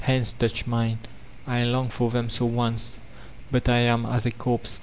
Hands touch mine ^ I longed for them so once — but I am as a corpse.